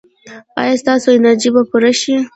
ایا ستاسو انرژي به پوره شي؟